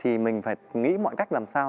thì mình phải nghĩ mọi cách làm sao